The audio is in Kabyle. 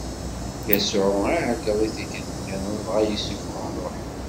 Yasuɛ iɛeggeḍ i tikkelt-nniḍen dɣa yessufeɣ ṛṛuḥ.